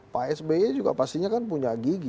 pak sby juga pastinya kan punya gigi